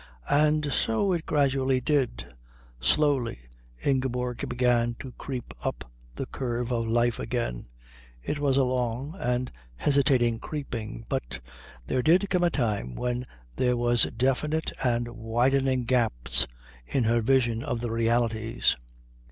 And so it gradually did. Slowly Ingeborg began to creep up the curve of life again. It was a long and hesitating creeping, but there did come a time when there were definite and widening gaps in her vision of the realities.